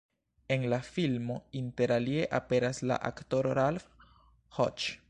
En la filmo interalie aperas la aktoro Ralph Hodges.